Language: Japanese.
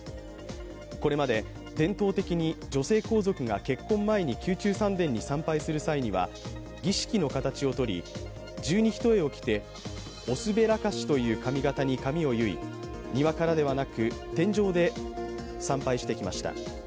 これまで伝統的に、女性皇族が結婚前に宮中三殿に参拝する際には儀式の形をとり十二ひとえを着ておすべらかしという髪型に髪を結い、庭からではなく、殿上で参拝してきました。